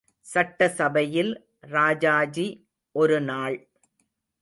சட்டசபையில், ராஜாஜி ஒருநாள்.